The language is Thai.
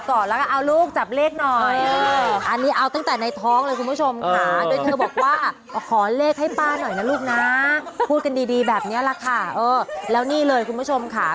ป้าขอเลข๓ตัวตรงทรัฐบาลไทยวันที่๑มีนา๒๕๖๖นึงค่ะ